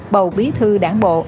bầu bí thư đảng bộ